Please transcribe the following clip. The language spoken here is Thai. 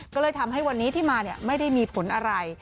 ก็เลยทำให้วันนี้ที่มาไม่ได้มีผลอะไร